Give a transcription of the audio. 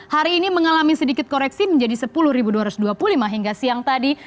hari ini mengalami sedikit koreksi menjadi sepuluh dua ratus dua puluh lima hingga siang tadi